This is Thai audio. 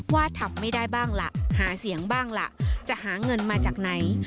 ว่าทำไม่ได้บ้างล่ะหาเสียงบ้างล่ะจะหาเงินมาจากไหน